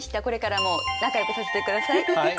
これからも仲よくさせて下さい。